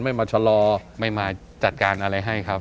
ไม่มาชะลอไม่มาจัดการอะไรให้ครับ